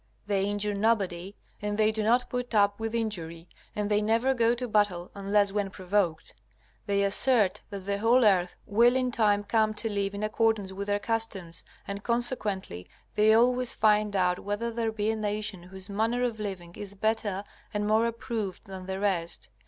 They injure nobody, and they do not put up with injury, and they never go to battle unless when provoked. They assert that the whole earth will in time come to live in accordance with their customs, and consequently they always find out whether there be a nation whose manner of living is better and more approved than the rest.